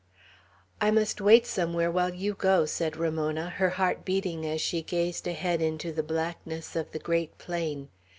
"I must wait somewhere while you go!" said Ramona, her heart beating as she gazed ahead into the blackness of the great plain.